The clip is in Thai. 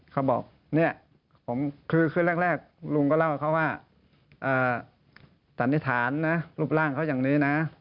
เขาบอกเนี่ยคือคืนแรกลุงก็เล่าให้เขาว่าสันนิษฐานนะรูปร่างเขาอย่างนี้นะ